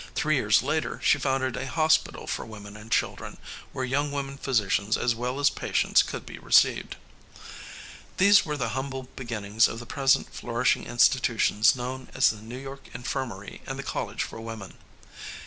Three years later she founded a hospital for women and children, where young women physicians as well as patients could be received. These were the humble beginnings of the present flourishing institutions known as the New York Infirmary and the College for Women.